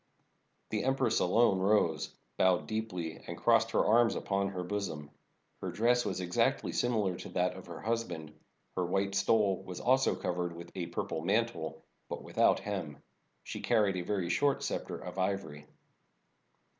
The empress alone rose, bowed deeply, and crossed her arms upon her bosom. Her dress was exactly similar to that of her husband. Her white stole was also cov ered with a purple mantle, but without hem. She car ried a very short scepter of ivory.